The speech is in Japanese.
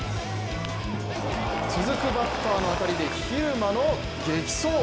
続くバッターの当たりで蛭間の激走。